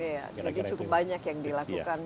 iya jadi cukup banyak yang dilakukan